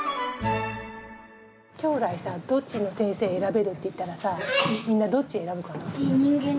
将来さどっちの先生選べるっていったらさみんなどっち選ぶかな？